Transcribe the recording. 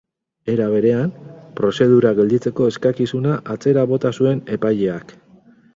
Era berean, prozedura gelditzeko eskakizuna atzera bota zuen epaileak.